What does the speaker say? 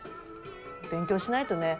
勉強しないとね。